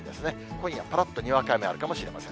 今夜、ぱらっとにわか雨あるかもしれません。